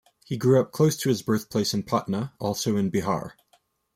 He grew up close to his birthplace in Patna, also in Bihar.